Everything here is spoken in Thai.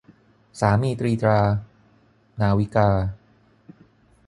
สามีตีตรา - นาวิกา